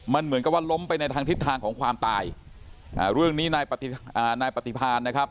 มันเหมือนกับว่าล้มไปในทางทิศทางของความตายอ่าเรื่องนี้นายปฏิพานนะครับ